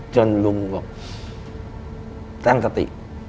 จนลุงบอกตั้งสติ